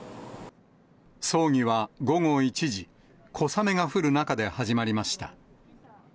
葬儀は午後１時、小雨が降る中で始まりました。